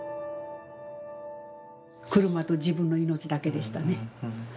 車と自分の命だけでしたね。